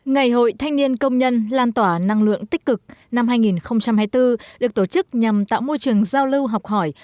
ngày hội thanh niên công nhân lan tỏa năng lượng tích cực năm hai nghìn hai mươi bốn được tổ chức nhằm tạo môi trường giao lưu học hỏi